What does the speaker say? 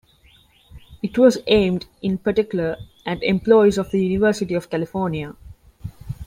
It was aimed in particular at employees of the University of California.